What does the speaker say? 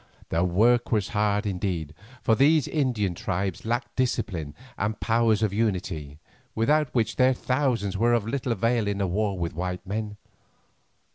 The work was hard indeed, for these Indian tribes lacked discipline and powers of unity, without which their thousands were of little avail in a war with white men.